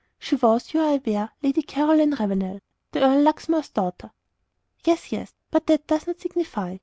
"She was, you are aware, Lady Caroline Ravenel, the Earl of Luxmore's daughter." "Yes, yes; but that does not signify.